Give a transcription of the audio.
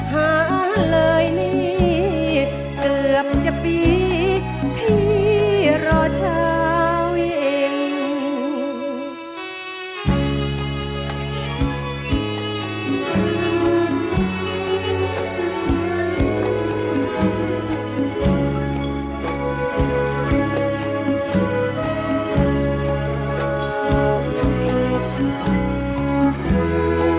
หารเลยนี่เกือบจะปีที่รอเช้าเอง